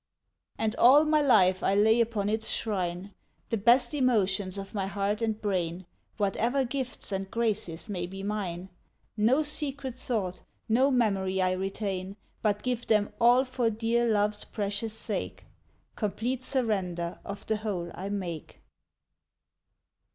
And all my life I lay upon its shrine The best emotions of my heart and brain, Whatever gifts and graces may be mine; No secret thought, no memory I retain, But give them all for dear Love's precious sake; Complete surrender of the whole I make.